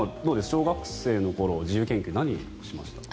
小学生の頃、自由研究は何をしましたか？